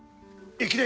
駅伝！